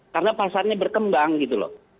karena pasarnya berkembang gitu loh